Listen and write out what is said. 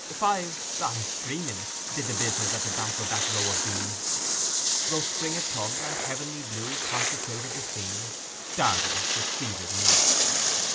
Five—ay, three minutes—did the business at the back of that row of bees. Though spring had come, and heavenly blue consecrated the scene, Darton succeeded not.